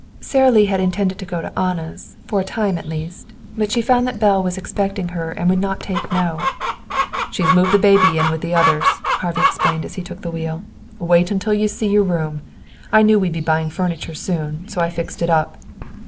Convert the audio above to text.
Sara Lee had intended to go to Anna's, for a time at least. But she found that Belle was expecting her and would not take no. "She's moved the baby in with the others," Harvey explained as he took the wheel. "Wait until you see your room. I knew we'd be buying furniture soon, so I fixed it up."